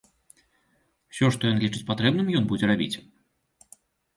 Усё, што ён лічыць патрэбным, ён будзе рабіць.